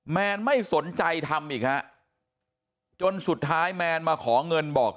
แนนไม่สนใจทำอีกฮะจนสุดท้ายแมนมาขอเงินบอก